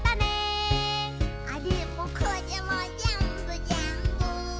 「あれもこれもぜんぶぜんぶ」